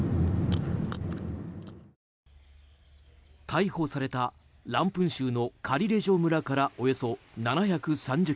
逮捕されたランプン州のカリレジョ村からおよそ７３０ｋｍ。